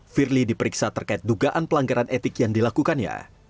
firly diperiksa terkait dugaan pelanggaran etik yang dilakukannya